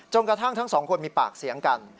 กระทั่งทั้งสองคนมีปากเสียงกัน